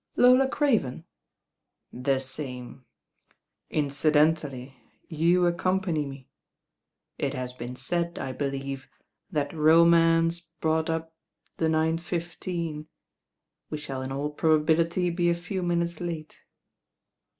" "Lola Craven?" "The same. Incidentally you accompany me. It has been said, I believe, that romance brought up the niiic htteen. We shall in all probability be a few minutes late.'